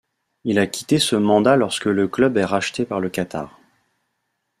Il a quitté ce mandat lorsque le Club est racheté par le Qatar.